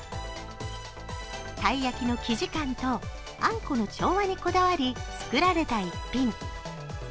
たい焼きの生地感とあんこの調和にこだわり作られた一品。